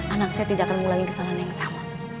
anak saya tidak akan mengulangi kesalahan yang sama